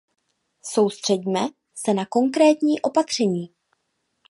Soustřeďme se na konkrétní opatření.